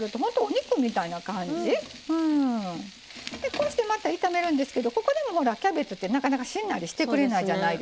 こうしてまた炒めるんですけどここでもほらキャベツってなかなかしんなりしてくれないじゃないですか。